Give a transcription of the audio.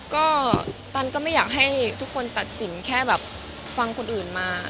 ก็ตันก็ไม่อยากให้ทุกคนตัดสินแค่แบบฟังคนอื่นมา